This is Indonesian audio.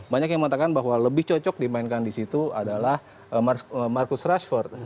banyak yang mengatakan bahwa lebih cocok dimainkan di situ adalah marcus rashford